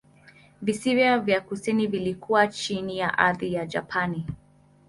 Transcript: Visiwa vya kusini vilikuwa chini ya athira ya Japani.